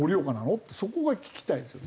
ってそこが聞きたいですよね。